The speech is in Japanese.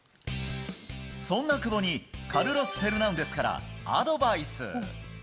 そんな久保にカルロス・フェルナンデスからアドバイス。